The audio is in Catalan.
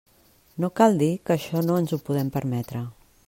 No cal dir que això no ens ho podem permetre.